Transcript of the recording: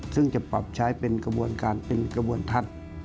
ซึ่งจะปรับใช้เป็นกระบวนการเป็นกระบวนทัศน์